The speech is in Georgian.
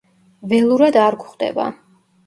ველურად არ გვხვდება.